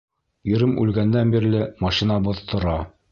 Ирем үлгәндән бирле машинабыҙ тора.